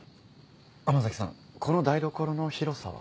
浜崎さんこの台所の広さは？